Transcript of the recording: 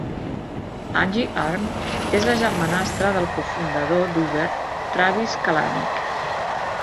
Anji Arm és la germanastra del cofundador d'Uber Travis Kalanick.